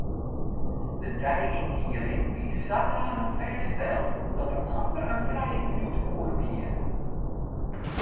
De deiyndieling wie sadanich fêststeld dat der amper in frije minút oer wie.